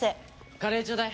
カレーちょうだい。